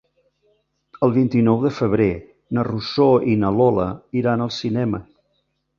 El vint-i-nou de febrer na Rosó i na Lola iran al cinema.